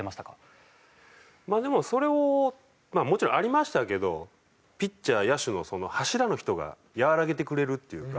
まあでもそれをまあもちろんありましたけどピッチャー野手の柱の人が和らげてくれるっていうか。